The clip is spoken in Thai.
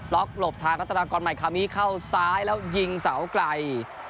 หลบทางรัฐนากรใหม่คามิเข้าซ้ายแล้วยิงเสาไกล